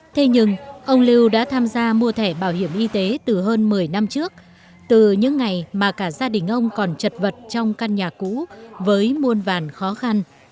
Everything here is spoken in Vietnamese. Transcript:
thế nhưng ông lưu đã tham gia mua thẻ bảo hiểm y tế từ hơn một mươi năm trước từ những ngày mà cả gia đình ông còn chật vật trong căn nhà cũ với muôn vàn khó khăn